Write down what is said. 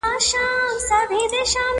پر وزر د توتکۍ به زېری سپور وي؛